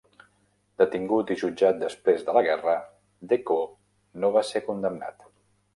Detingut i jutjat després de la guerra, Decoux no va ser condemnat.